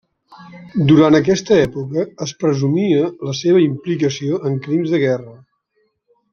Durant aquesta època es presumia la seva implicació en crims de guerra.